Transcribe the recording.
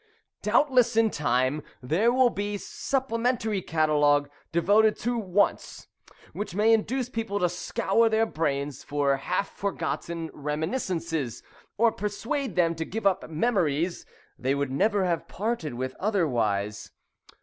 Doubtless, in time, there will be a supplementary catalogue devoted to 'Wants,' which may induce people to scour their brains for half forgotten reminiscences, or persuade them to give up memories they would never have parted with otherwise.